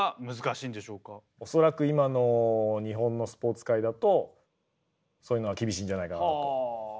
おそらく今の日本のスポーツ界だとそういうのは厳しいんじゃないかなと。